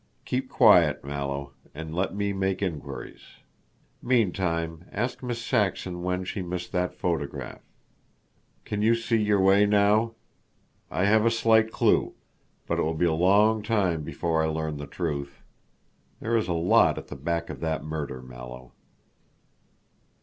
Keep quiet, Mallow, and let me make inquiries. Meantime, ask Miss Saxon when she missed that photograph." "Can you see your way now?" "I have a slight clue. But it will be a long time before I learn the truth. There is a lot at the back of that murder, Mallow."